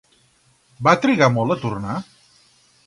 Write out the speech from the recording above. Va trigar molt a tornar?